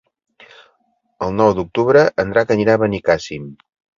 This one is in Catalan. El nou d'octubre en Drac anirà a Benicàssim.